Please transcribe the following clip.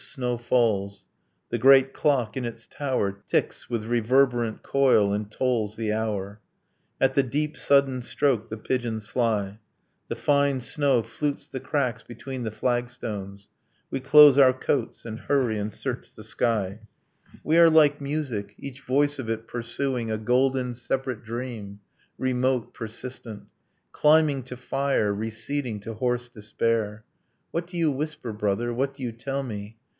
Snow falls. The great clock in its tower Ticks with reverberant coil and tolls the hour: At the deep sudden stroke the pigeons fly ... The fine snow flutes the cracks between the flagstones. We close our coats, and hurry, and search the sky. We are like music, each voice of it pursuing A golden separate dream, remote, persistent, Climbing to fire, receding to hoarse despair. What do you whisper, brother? What do you tell me?